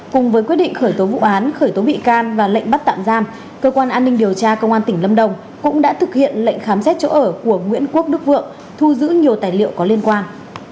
cùng với quyết định khởi tố vụ án khởi tố bị can và lệnh bắt tạm giam cơ quan an ninh điều tra công an tỉnh lâm đồng cũng đã thực hiện lệnh khám xét chỗ ở của nguyễn quốc đức vượng thu giữ nhiều tài liệu có liên quan